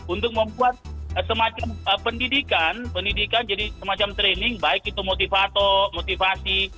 untuk membuat semacam pendidikan pendidikan jadi semacam training baik itu motivator motivasi